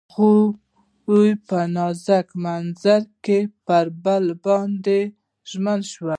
هغوی په نازک منظر کې پر بل باندې ژمن شول.